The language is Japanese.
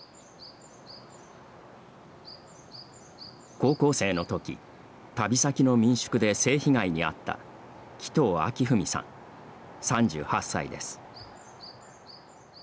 高校生のとき旅先の民宿で性被害に遭った鬼頭暁史さん３８歳です。